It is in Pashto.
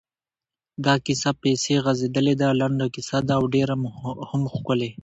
دا کیسه پسې غځېدلې ده، لنډه کیسه ده او ډېره هم ښکلې.